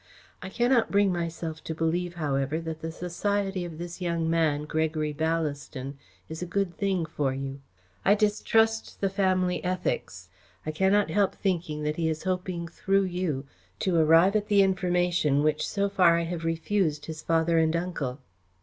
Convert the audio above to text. I cannot bring myself to believe, however, that the society of this young man, Gregory Ballaston, is a good thing for you. I distrust the family ethics. I cannot help thinking that he is hoping through you to arrive at the information which so far I have refused his father and his uncle."